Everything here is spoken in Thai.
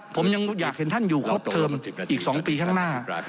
ผมยังอยากเห็นท่านอยู่ครบเทิมอีก๒ปีข้างหน้า